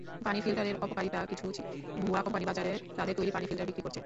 পানির ফিল্টারের অপকারিতাকিছু কিছু ভুয়া কোম্পানি বাজারে তাদের তৈরি পানির ফিল্টার বিক্রি করছে।